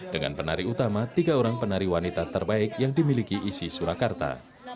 dengan penari utama tiga orang penari wanita terbaik yang dimiliki isi surakarta